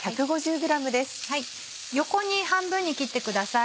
横に半分に切ってください。